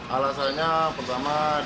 alasannya pertama dia